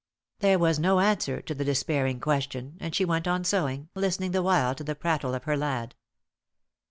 There was no answer to the despairing question, and she went on sewing, listening the while to the prattle of her lad.